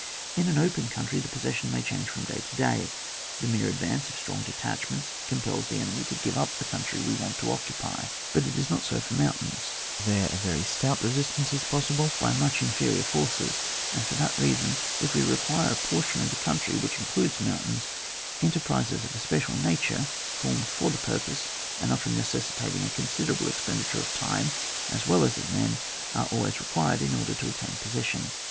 In an open country, the possession may change from day to day. The mere advance of strong detachments compels the enemy to give up the country we want to occupy. But it is not so in mountains ; there a very stout resistance is possible by much inferior forces, and for that reason, if we reqtdre a portion of coimtry which includes mountains, enter prises of a special nature, formed for the purpose, and often necessitating a con siderable expenditure of time as well as of men, are always required in order to obtain possession.